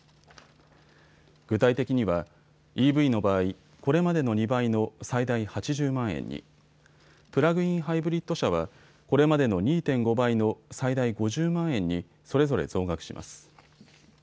具体的にはＥＶの場合、これまでの２倍の最大８０万円に、プラグインハイブリッド車はこれまでの２．５倍の最大５０万円にそれぞれ増額します。